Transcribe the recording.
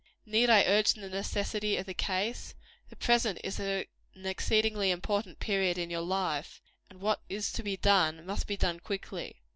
Need I urge the necessity of the case? The present is an exceedingly important period of your life; and what is to be done, must be done quickly.